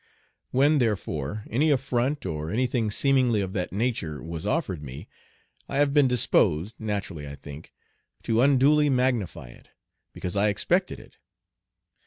When, therefore, any affront or any thing seemingly of that nature was offered me, I have been disposed, naturally I think, to unduly magnify it, because I expected it.